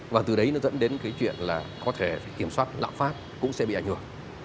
và từ đấy nó dẫn đến chuyện là có thể kiểm soát lạm pháp cũng sẽ bị ảnh hưởng